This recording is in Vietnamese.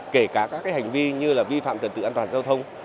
kể cả các hành vi như là vi phạm trật tự an toàn giao thông